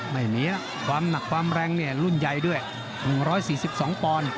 ไม่มีความหนักความแรงเนี่ยรุ่นใหญ่ด้วย๑๔๒ปอนด์